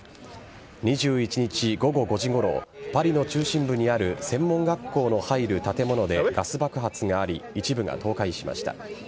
２１日午後５時ごろパリの中心部にある専門学校の入る建物でガス爆発があり一部が倒壊しました。